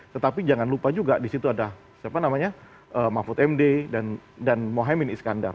tetapi jangan lupa juga di situ ada mahfud md dan mohaimin iskandar